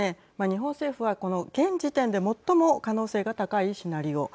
日本政府は、この現時点で最も可能性が高いシナリオ。